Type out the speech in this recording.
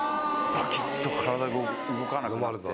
バキっと体が動かなくなって。